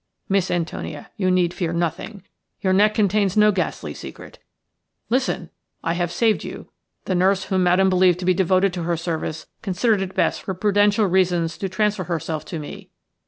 Miss Antonia, you need fear nothing. Your neck contains no ghastly secret. Listen! I have saved you. The nurse whom Madame believed to be devoted to her service considered it best for prudential reasons to transfer herself to me.